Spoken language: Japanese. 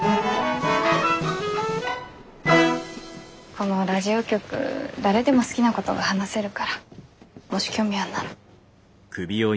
このラジオ局誰でも好きなことが話せるからもし興味あるなら。